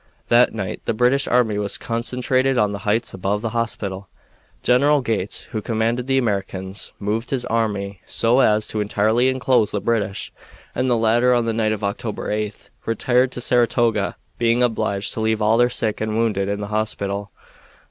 That night the British army was concentrated on the heights above the hospital. General Gates, who commanded the Americans, moved his army so as to entirely inclose the British, and the latter, on the night of October 8, retired to Saratoga, being obliged to leave all their sick and wounded in the hospital.